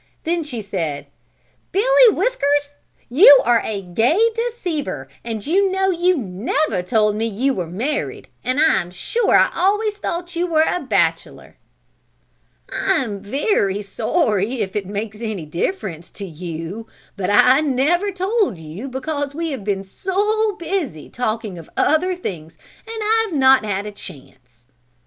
Then she said: "Billy Whiskers you are a gay deceiver and you know you never told me you were married and I am sure I always thought you were a bachelor." "I am very sorry if it makes any difference to you, but I never told you because we have been so busy talking of other things and I have not had a chance."